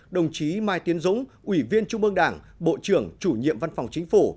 đồng chí mai tiến dũng ủy viên trung ương đảng bộ trưởng chủ nhiệm văn phòng chính phủ